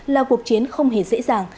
là cuộc chiến không hề dễ dàng